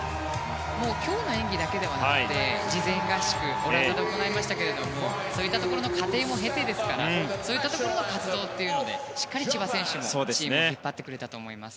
今日の演技だけではなくて事前合宿オランダで行いましたがそういったところの過程を経てですからそういったところでの活動というのでしっかり千葉選手もチームを引っ張ってくれたと思います。